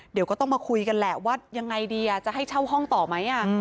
เดี๋ยวก็ต้องมาคุยกันแหละว่ายังไงดีจะให้เช่าห้องต่อไหม